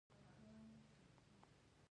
زردالو شین نه خوړل کېږي.